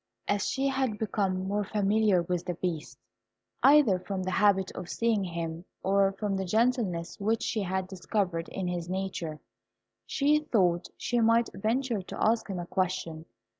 As she had become more familiar with the Beast, either from the habit of seeing him or from the gentleness which she had discovered in his nature, she thought she might venture to ask him a question.